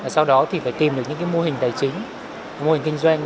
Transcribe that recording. sau đó thì phải tìm được những mô hình tài chính mô hình kinh doanh